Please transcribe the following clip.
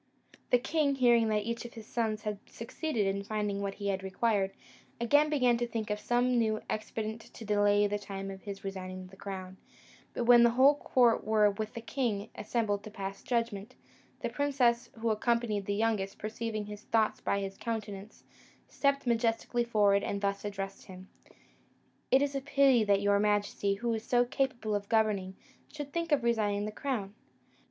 The king, hearing that each of his sons had succeeded in finding what he had required, again began to think of some new expedient to delay the time of his resigning the crown; but when the whole court were with the king assembled to pass judgment, the princess who accompanied the youngest, perceiving his thoughts by his countenance, stepped majestically forward and thus addressed him: "It is a pity that your majesty, who is so capable of governing, should think of resigning the crown!